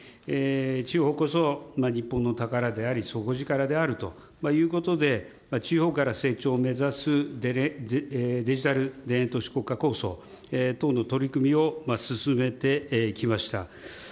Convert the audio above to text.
地方こそ日本の宝であり、底力であるということで、地方から成長を目指すデジタル田園都市国家構想等の取り組みを進めてきました。